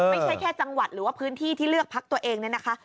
ไม่ใช่แค่จังหวัดหรือว่าพื้นที่ที่เลือกพักตัวเองเนี่ยนะคะ